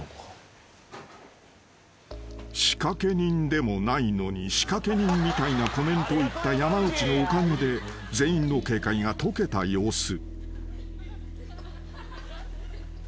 ［仕掛け人でもないのに仕掛け人みたいなコメントを言った山内のおかげで全員の警戒が解けた様子］